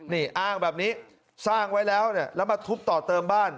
นี่อ้างแบบนี้สร้างไว้แล้วเนี่ยแล้วมาทุบต่อเติมบ้าน